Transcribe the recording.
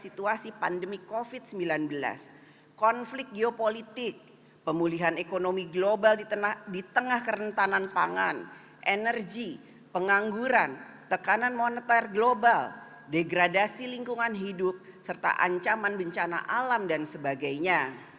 situasi pandemi covid sembilan belas konflik geopolitik pemulihan ekonomi global di tengah kerentanan pangan energi pengangguran tekanan moneter global degradasi lingkungan hidup serta ancaman bencana alam dan sebagainya